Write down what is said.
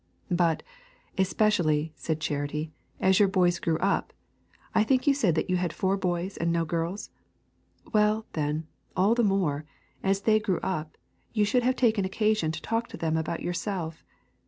But, especially, said Charity, as your boys grew up I think you said that you had four boys and no girls? well, then, all the more, as they grew up, you should have taken occasion to talk to them about yourself.